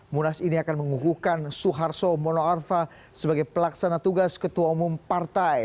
munas ini akan mengukuhkan suarso monoarfa sebagai pelaksana tugas ketua umum partai